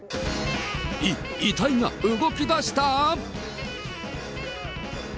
い、遺体が動きだした？